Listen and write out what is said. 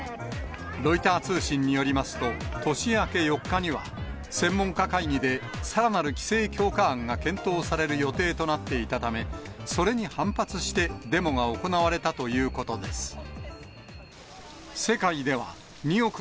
ロイター通信によりますと、年明け４日には、専門家会議で、さらなる規制強化案が検討される予定となっていたため、それに反発してデモが行われたということです。